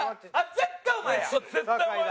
絶対お前だ。